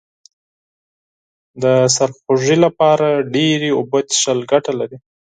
د سرخوږي لپاره ډیرې اوبه څښل گټه لري